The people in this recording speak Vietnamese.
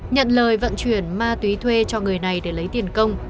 nhận lời vận chuyển ma túy thuê cho người này để lấy tiền công